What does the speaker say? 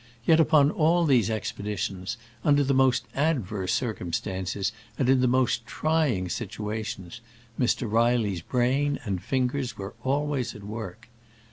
Yet upon all these expedi tions, under the most adverse circum stances and in the most trying situations, Mr. Reilly's brain and fingers were al ways at work.